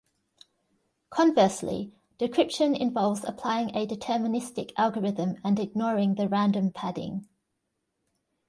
Conversely, decryption involves applying a deterministic algorithm and ignoring the random padding.